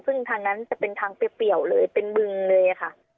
ซึ่งทางนั้นจะเป็นทางเปรียวเลยเป็นบึงเลยค่ะ